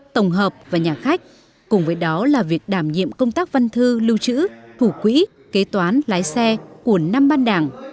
tổng hợp và nhà khách cùng với đó là việc đảm nhiệm công tác văn thư lưu trữ thủ quỹ kế toán lái xe của năm ban đảng